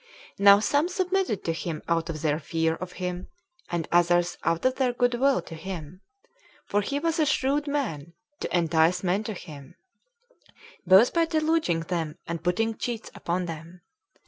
Now some submitted to him out of their fear of him, and others out of their good will to him; for he was a shrewd man to entice men to him, both by deluding them and putting cheats upon them.